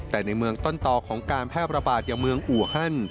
แต่ในเมืองต้นต่อของการแพร่ระบาดอย่างเมืองอูฮัน